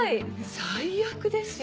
最悪ですよ